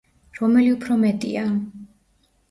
რომელი უფრო მეტია?